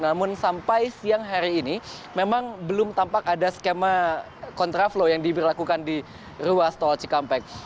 namun sampai siang hari ini memang belum tampak ada skema kontraflow yang diberlakukan di ruas tol cikampek